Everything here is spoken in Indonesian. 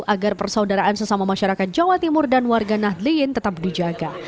agar persaudaraan sesama masyarakat jawa timur dan warga nahdliin tetap dijaga